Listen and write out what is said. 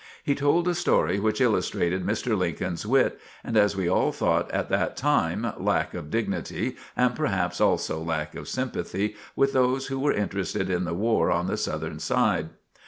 He told a story which illustrated Mr. Lincoln's wit, and as we all thought at that time, lack of dignity and perhaps also lack of sympathy with those who were interested in the war on the Southern side.